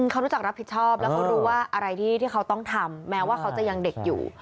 เขารู้จักรับผิดชอบแล้วเขารู้ว่าอะไรที่เขาต้องทำแม้ว่าเขาจะยังเด็กอยู่